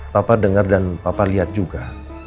papa dengar dan papa lihat juga